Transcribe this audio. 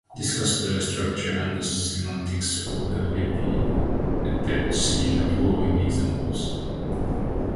Discuss the structure and semantics of epithets in the following examples.